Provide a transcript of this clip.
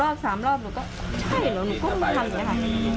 รอบสามรอบหนูก็ใช่เหรอหนูก็มาทำอย่างนี้ค่ะ